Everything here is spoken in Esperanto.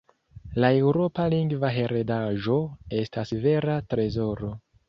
La eŭropa lingva heredaĵo estas vera trezoro.